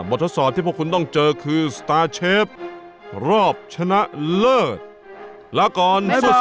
ทดสอบที่พวกคุณต้องเจอคือสตาร์เชฟรอบชนะเลิศลาก่อน